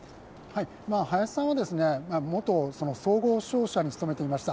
林さんは、元総合商社に勤めていました。